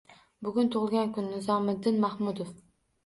Bugun tug‘ilgan kun - Nizomiddin Mahmudov